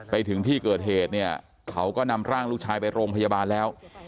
ไปถึงที่เกิดเหตุเนี่ยเขาก็นำร่างลูกชายไปโรงพยาบาลแล้ว